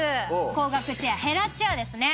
高額チェアヘラチェアですね。